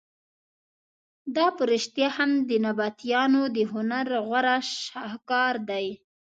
دا په رښتیا هم د نبطیانو د هنر غوره شهکار دی.